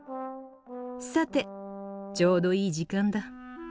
さてちょうどいい時間だ。